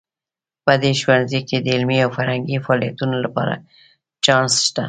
په دې ښوونځي کې د علمي او فرهنګي فعالیتونو لپاره چانس شته